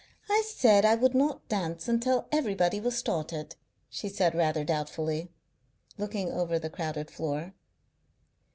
"I said I would not dance until everybody was started," she said rather doubtfully, looking over the crowded floor.